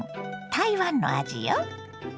台湾の味よ。